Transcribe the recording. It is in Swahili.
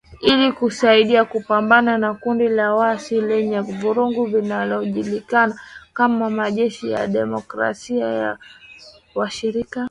Ili kusaidia kupambana na kundi la waasi lenye vurugu linalojulikana kama Majeshi ya demokrasia ya washirika uingiliaji mkubwa zaidi wa kigeni nchini Kongo.